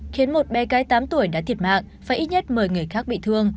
khiến một bé gái tám tuổi đã thiệt mạng và ít nhất một mươi người khác bị thương